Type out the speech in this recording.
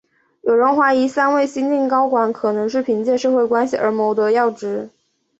有人怀疑三位新晋高管可能是凭借社会关系而谋得要职。